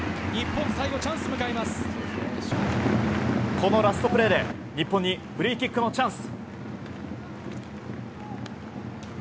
このラストプレーで日本にフリーキックのチャンス。